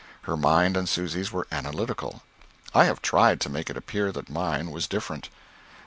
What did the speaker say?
Her mind and Susy's were analytical; I have tried to make it appear that mine was different.